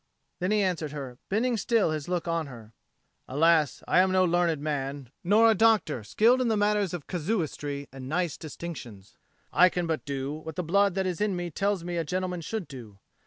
Then he answered her, bending still his look on her, "Alas, I am no learned man, nor a doctor skilled in matters of casuistry and nice distinctions. I can but do what the blood that is in me tells me a gentleman should do.